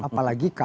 nah apalagi kami